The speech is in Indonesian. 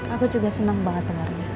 aku juga senang banget